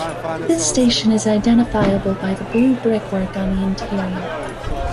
This station is identifiable by the blue brickwork on the interior.